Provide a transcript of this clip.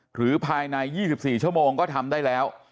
หรือภายใน๒๔ชั่วโมงก็ทำได้แล้ว